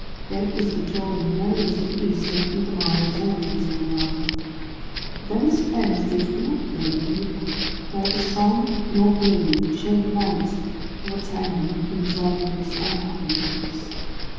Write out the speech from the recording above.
Great was the joy, and merry was the feast, when Gugemar returned to his own realm. But though his friends did all that they were able, neither song nor game could cheer the knight, nor turn him from dwelling in his unhappy thoughts.